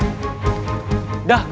kalian ajar padaku